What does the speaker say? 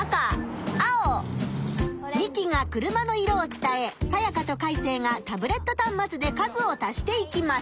ミキが車の色を伝えサヤカとカイセイがタブレットたんまつで数を足していきます。